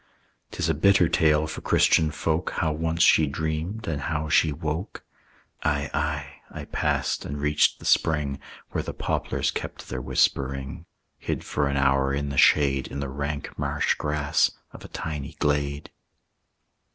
"'Tis a bitter tale for Christian folk, How once she dreamed, and how she woke." "Ay, ay!" I passed and reached the spring Where the poplars kept their whispering, Hid for an hour in the shade, In the rank marsh grass of a tiny glade.